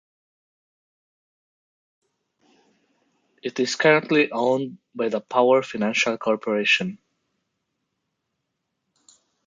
It is currently owned by the Power Financial Corporation.